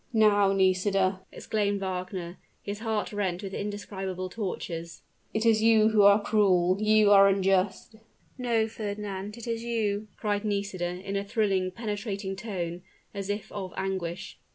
"Now, Nisida," exclaimed Wagner, his heart rent with indescribable tortures "it is you who are cruel you are unjust!" "No, Fernand it is you!" cried Nisida, in a thrilling, penetrating tone, as if of anguish.